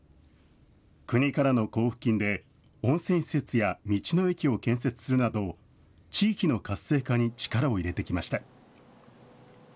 国からの交付金で、温泉施設や道の駅を建設するなど、地域の活性化に力を入れてきました。